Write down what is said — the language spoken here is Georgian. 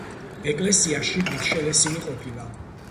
ეკლესია შიგნით შელესილი ყოფილა.